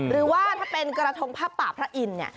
หรือว่าถ้าเป็นกระทงผ้าป่าพระอินทร์เนี่ย